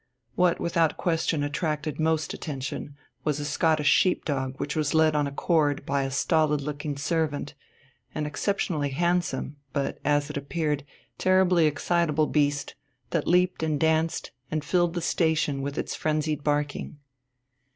What without question attracted most attention was a Scottish sheep dog which was led on a cord by a stolid looking servant an exceptionally handsome, but, as it appeared, terribly excitable beast, that leaped and danced and filled the station with its frenzied barking.